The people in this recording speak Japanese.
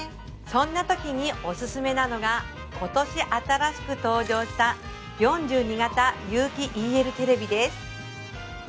そんなときにおすすめなのが今年新しく登場した４２型有機ＥＬテレビです